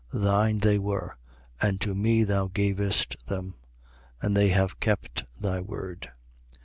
Thine they were: and to me thou gavest them. And they have kept thy word.